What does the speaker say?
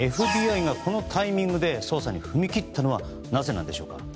ＦＢＩがこのタイミングで捜査に踏み切ったのはなぜなんでしょうか？